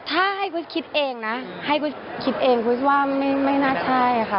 ถ้าให้กูจะคิดเองนะให้กูจะคิดเองกูจะว่าไม่น่าใช่ค่ะ